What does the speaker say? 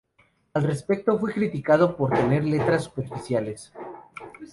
Al respecto, fue criticado por tener letras superficiales.